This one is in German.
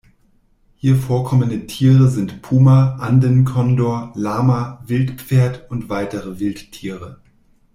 Hier vorkommende Tiere sind Puma, Andenkondor, Lama, Wildpferd und weitere Wildtiere.